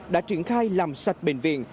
đã triển khai làm sạch bệnh viện